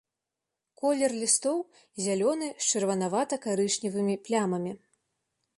Колер лістоў зялёны з чырванавата-карычневымі плямамі.